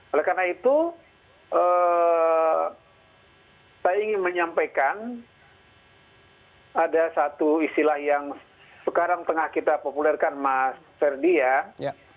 oleh karena itu saya ingin menyampaikan ada satu istilah yang sekarang tengah kita populerkan mas ferdi ya